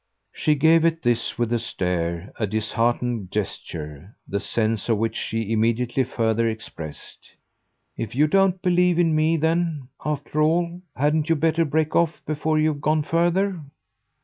She gave at this, with a stare, a disheartened gesture the sense of which she immediately further expressed. "If you don't believe in me then, after all, hadn't you better break off before you've gone further?"